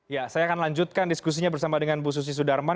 ya saya akan lanjutkan diskusinya bersama dengan bu susi sudarman